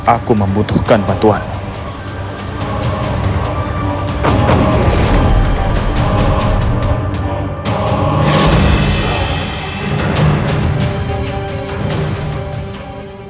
aku membutuhkan bantuanmu